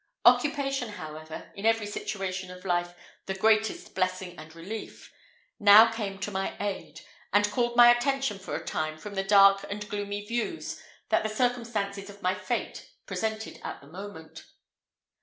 Occupation, however in every situation of life the greatest blessing and relief now came to my aid, and called my attention for a time from the dark and gloomy views that the circumstances of my fate presented at the moment.